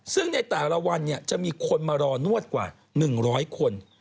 ซึ่งในแต่ละวันจะมีคนมารอนวดกว่า๑๐๐คน